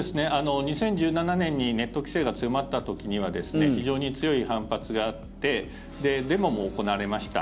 ２０１７年にネット規制が強まった時には非常に強い反発があってデモも行われました。